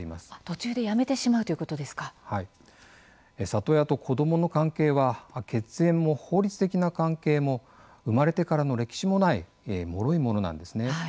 里親と子どもの関係は血縁も法律的な関係も生まれてからの歴史もないもろいものなんですね。